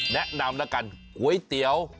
แนะนำแล้วกันก๋วยเตี๋ยว